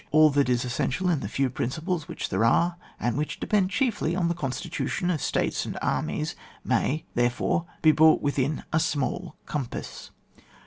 All that is essential in the few princi* pies which there are, and which depend chiefly on the constitution of States and armies may, therefore, be brought with in a smaU compass.